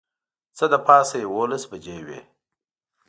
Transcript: څه د پاسه یوولس بجې وې.